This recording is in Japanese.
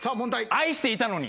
「愛していたのに」